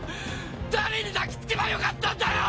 ⁉誰に泣きつけばよかったんだよ！